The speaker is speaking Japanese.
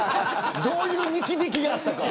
どういう導きがあったか。